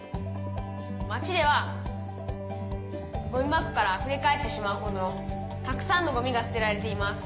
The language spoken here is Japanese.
「町ではゴミ箱からあふれ返ってしまうほどのたくさんのゴミがすてられています」。